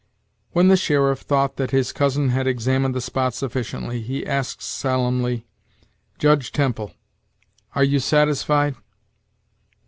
When the sheriff thought that his cousin had examined the spot sufficiently, he asked solemnly: "Judge Temple, are you satisfied?"